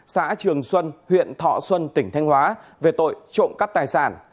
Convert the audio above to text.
xã trường xuân huyện thọ xuân tỉnh thanh hóa về tội trộm cắp tài sản